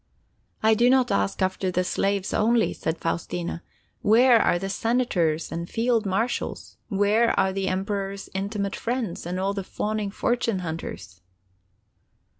"I do not ask after slaves only," said Faustina. "Where are the senators and field marshals? Where are the Emperor's intimate friends, and all the fawning fortune hunters?"